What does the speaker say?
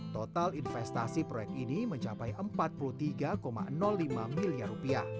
total investasi proyek ini mencapai rp empat puluh tiga lima miliar